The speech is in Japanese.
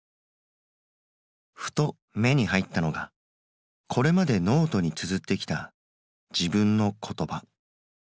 ふと目に入ったのがこれまでノートにつづってきた自分の言葉。